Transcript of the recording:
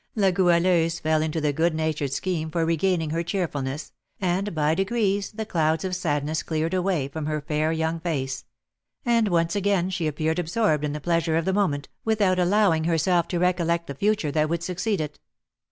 La Goualeuse fell into the good natured scheme for regaining her cheerfulness, and by degrees the clouds of sadness cleared away from her fair young face; and once again she appeared absorbed in the pleasure of the moment, without allowing herself to recollect the future that would succeed it.